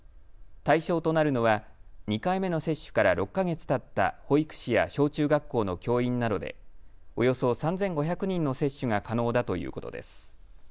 対象となるのは２回目の接種から６か月たった保育士や小中学校の教員などでおよそ３５００人の接種が可能だということです。